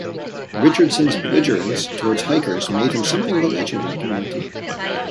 Richardson's belligerence toward hikers made him something of a legend in the community.